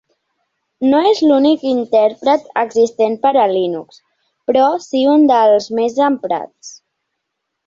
No és l'únic intèrpret existent per a Linux, però si un dels més emprats.